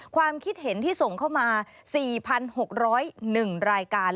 ความคิดเห็นที่ส่งเข้ามา๔๖๐๑รายการ